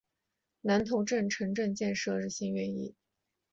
南头镇城镇建设日新月异。